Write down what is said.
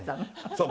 そう。